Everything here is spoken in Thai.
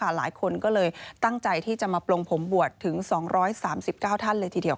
หลายคนก็เลยตั้งใจที่จะมาปลงผมบวชถึง๒๓๙ท่านเลยทีเดียว